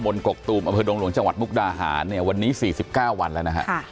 ตะมนต์เกาะตูมอลงจังหวัดมุกดาหารวันนี้๔๙วันแล้วนะครับ